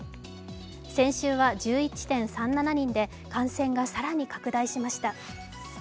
先週は１１．３７人で感染が更に拡大しました。